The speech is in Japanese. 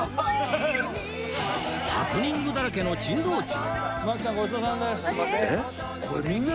ハプニングだらけの珍道中